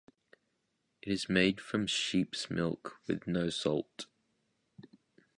It is made from sheep's milk with no salt.